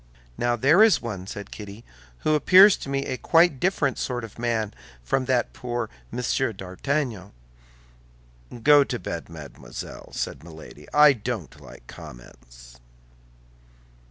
"Now, there is one," said Kitty, "who appears to me quite a different sort of a man from that poor Monsieur d'Artagnan." "Go to bed, mademoiselle," said Milady; "I don't like comments."